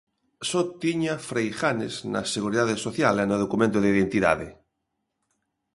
Só tiña Freijanes na seguridade social e no documento de identidade.